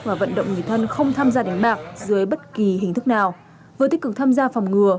và vận động người thân không tham gia đánh bạc dưới bất kỳ hình thức nào vừa tích cực tham gia phòng ngừa